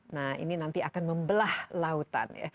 nah ini nanti akan membelah lautan ya